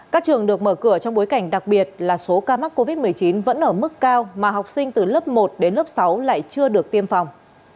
các trường được mở cửa trong bối cảnh đặc biệt là số ca mắc covid một mươi chín vẫn ở mức cao mà học sinh từ lớp một đến lớp sáu lại chưa được tiêm phòng